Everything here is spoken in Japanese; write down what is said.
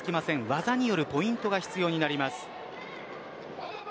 技によるポイントが必要になります。